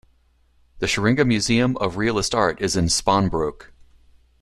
The Scheringa Museum of Realist Art is in Spanbroek.